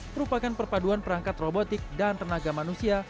merupakan perpaduan perangkat robotik dan tenaga manusia